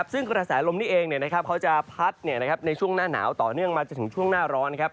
ซึ่งกระแสลมนี้เองเขาจะพัดในช่วงหน้าหนาวต่อเนื่องมาจนถึงช่วงหน้าร้อน